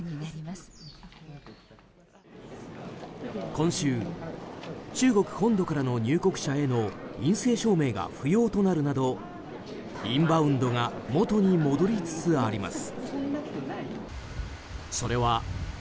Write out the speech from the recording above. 今週、中国本土からの入国者への陰性証明が不要となるなどインバウンドが元に戻りつつあります。